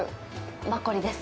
マッコリです。